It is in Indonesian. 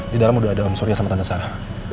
di dalam udah ada om surya sama tante sarah